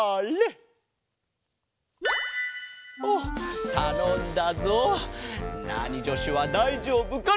おったのんだぞナーニじょしゅはだいじょうぶかの。